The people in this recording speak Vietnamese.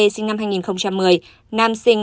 sinh năm hai nghìn một mươi nam sinh